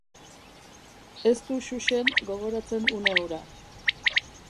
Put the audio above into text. Ez du xuxen gogoratzen une hura.